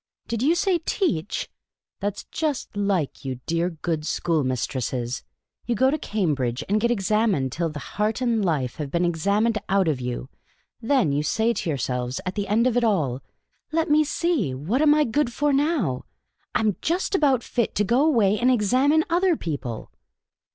*' Did you say tcac/i ? That 's just like you dear good schoolmistresses ! You go to Cambridge, and get ex amined till the heart and life have been examined out of you ; then you say to yourselves at the end of it all, ' Let me see ; what am I good for now ? I 'm just about fit to go away and examine other people